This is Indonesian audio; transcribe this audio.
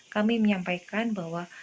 kami menyampaikan bahwa